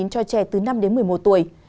cho trẻ từ năm đến một mươi một tuổi